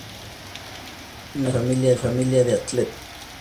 Nació en una familia de atletas.